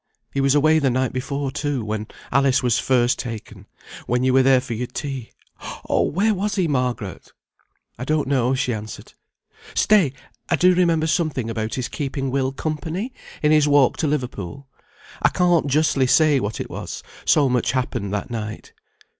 He was away the night before, too, when Alice was first taken; when you were there for your tea. Oh! where was he, Margaret?" "I don't know," she answered. "Stay! I do remember something about his keeping Will company, in his walk to Liverpool. I can't justly say what it was, so much happened that night."